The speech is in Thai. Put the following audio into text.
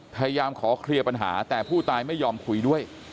พยายามขอเคลียร์ปัญหาแต่ผู้ตายไม่ยอมคุยด้วย